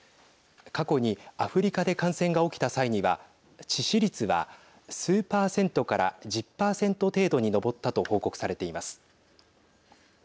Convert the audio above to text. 過去にアフリカで感染が起きた際には致死率は、数％から１０％程度に上ったと報告されています。